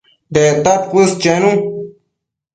Dectad cuës chenu